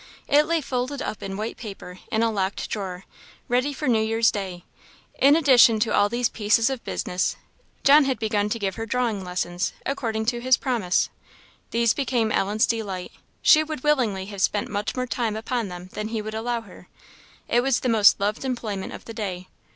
It lay folded up in white paper in a locked drawer, ready for New Year's day. In addition to all these pieces of business, John had begun to give her drawing lessons, according to his promise. These became Ellen's delight. She would willingly have spent much more time upon them than he would allow her. It was the most loved employment of the day.